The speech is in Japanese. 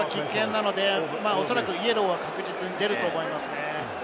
おそらくイエローは確実に出ると思いますね。